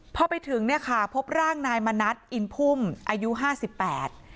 พอไปถึงเนี่ยค่ะพบร่างนายมณัฐอินพุ่มอายุห้าสิบแปด